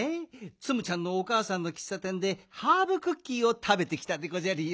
ツムちゃんのおかあさんのきっさてんでハーブクッキーをたべてきたでごじゃるよ。